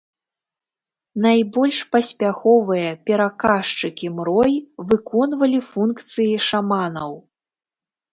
Найбольш паспяховыя пераказчыкі мрой выконвалі функцыі шаманаў.